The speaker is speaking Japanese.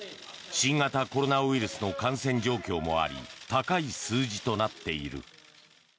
新型コロナウイルスの感染状況もあり高い数字となっている。